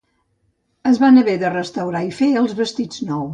Es van haver de restaurar i fer els vestits nous.